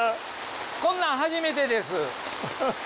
こんなん初めてです。